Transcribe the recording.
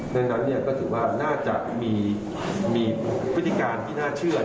ดังนั้นก็ถือว่าน่าจะมีพฤติการที่น่าเชื่อ